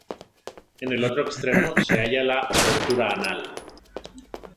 En el otro extremo se halla la abertura anal.